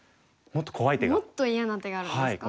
もっと嫌な手があるんですか？